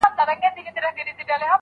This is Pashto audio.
کړکۍ د نوي سهار لور ته خلاصه ده.